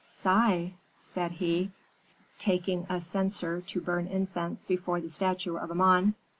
"'Sigh!' said he, taking a censer to burn incense before the statue of Amon.